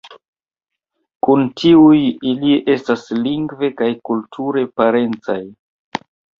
Kun tiuj ili estas lingve kaj kulture parencaj.